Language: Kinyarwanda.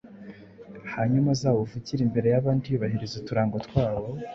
hanyuma azawuvugire imbere y’abandi yubahiriza uturango twawo.